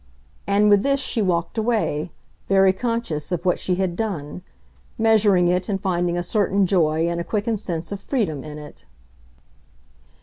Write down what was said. And with this she walked away, very conscious of what she had done; measuring it and finding a certain joy and a quickened sense of freedom in it.